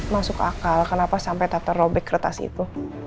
masuk akal kenapa sampai tata robek kertas itu